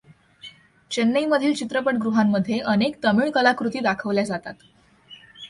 चेन्नईमधील चित्रपटगृहांमध्ये अनेक तमिळ कलाकृती दाखवल्या जातात.